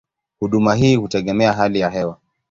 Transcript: Huduma hii hutegemea hali ya hewa.